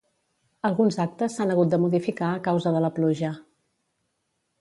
Alguns actes s'han hagut de modificar a causa de la pluja.